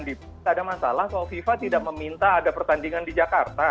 tidak ada masalah kalau fifa tidak meminta ada pertandingan di jakarta